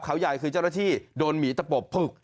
เขาใหญ่คือเจ้าหน้าที่โดนหมีตะปบผึก